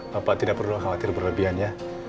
bapak tidak perlu khawatir berlebihan ya